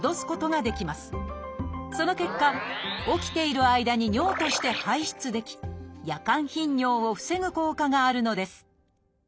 その結果起きている間に尿として排出でき夜間頻尿を防ぐ効果があるのです。